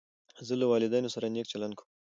زه له والدینو سره نېک چلند کوم.